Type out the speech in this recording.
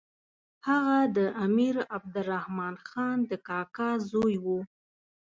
هغه د امیر عبدالرحمن خان د کاکا زوی وو.